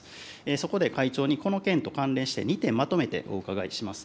そこで会長に、この件と関連して、２点まとめてお伺いします。